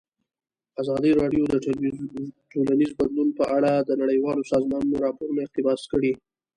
ازادي راډیو د ټولنیز بدلون په اړه د نړیوالو سازمانونو راپورونه اقتباس کړي.